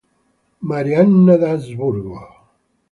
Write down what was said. Maria Anna d'Asburgo